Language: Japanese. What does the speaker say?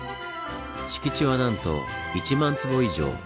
敷地はなんと１万坪以上。